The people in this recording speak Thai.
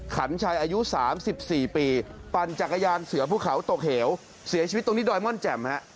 ขันชัยอายุ๓๔ปีปั่นจักรยานเสือภูเขาตกเหวเสียชีวิตตรงนี้ดอยม่อนแจ่มฮะ